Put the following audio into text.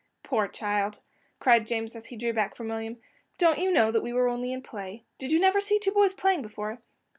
"Poor child!" cried James, as he drew back from William, "don't you know that we were only in play? Did you never see two boys playing before?"